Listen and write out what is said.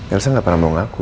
elsa gak pernah mau ngaku